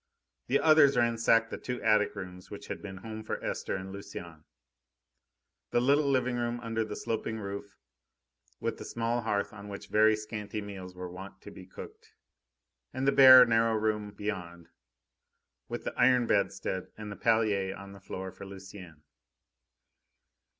The others ransacked the two attic rooms which had been home for Esther and Lucienne: the little living room under the sloping roof, with the small hearth on which very scanty meals were wont to be cooked, and the bare, narrow room beyond, with the iron bedstead, and the palliasse on the floor for Lucienne.